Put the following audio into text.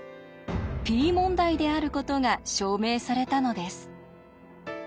Ｐ問題であることが証明されたのです。